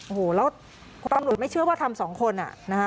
โอ้โหแล้วตำรวจไม่เชื่อว่าทำสองคนอ่ะนะฮะ